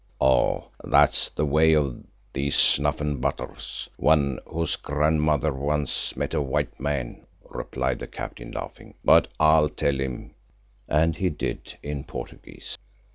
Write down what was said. "Oh! that's the way of these 'snuff and butters' one of whose grandmothers once met a white man," replied the Captain, laughing, "but I'll tell him," and he did in Portuguese.